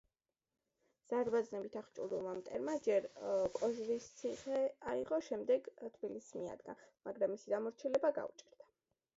ზარბაზნებით აღჭურვილმა მტერმა ჯერ კოჯრის ციხე აიღო, შემდეგ თბილისს მიადგა, მაგრამ მისი დამორჩილება გაუჭირდა.